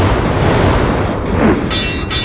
rayus rayus sensa pergi